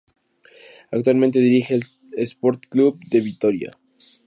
Actualmente dirige el Esporte Clube Vitória.